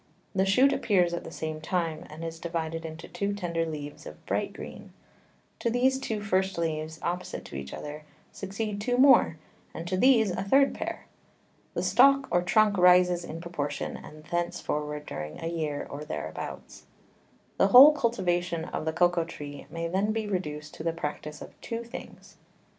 The Shoot appears at the same time, and is divided into two tender Leaves of bright Green: To these two first Leaves, opposite to each other, succeed two more, and to these a third Pair. The Stalk or Trunk rises in proportion, and thence forward during a Year, or thereabouts. The whole Cultivation of the Cocao Tree may then be reduced to the Practice of two Things.